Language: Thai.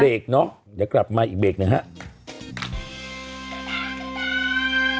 เบรกเนอะจะกลับมาอีกเบรกนะครับ